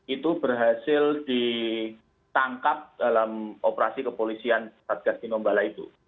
itu berhasil ditangkap dalam operasi kepolisian satgas tinombala itu